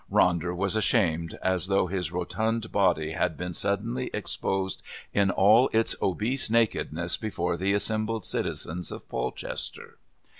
Ronder was ashamed, as though his rotund body had been suddenly exposed in all its obese nakedness before the assembled citizens of Polchester.